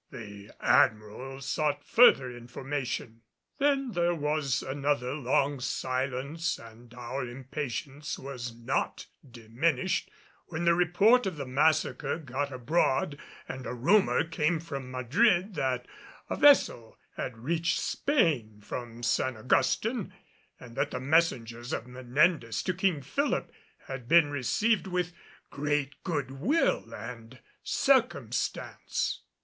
The Admiral sought further information. Then there was another long silence and our impatience was not diminished when the report of the massacre got abroad and a rumor came from Madrid that a vessel had reached Spain from San Augustin and that the messengers of Menendez to King Philip had been received with great good will and circumstance.